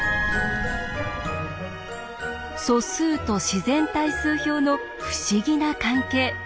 素数と自然対数表の不思議な関係。